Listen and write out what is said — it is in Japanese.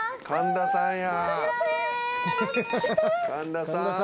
神田さん。